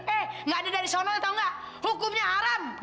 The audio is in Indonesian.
tidak ada dari sana tahu tidak hukumnya haram